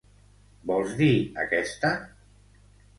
Vols dir aquesta?